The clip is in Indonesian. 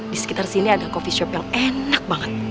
di sekitar sini ada coffee shop yang enak banget